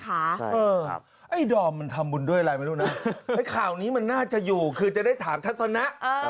ไอ้ดอมมันทำบุญด้วยอะไรไม่รู้นะไอ้ข่าวนี้มันน่าจะอยู่คือจะได้ถามทัศนะ